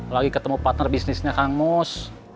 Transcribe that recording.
lagi ketemu partner bisnisnya kang mus